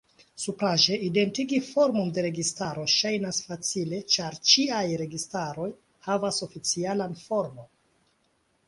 Supraĵe, identigi formon de registaro ŝajnas facile, ĉar ĉiaj registaroj havas oficialan formon.